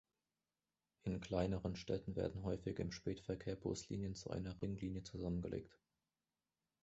In kleineren Städten werden häufig im Spätverkehr Buslinien zu einer Ringlinie zusammengelegt.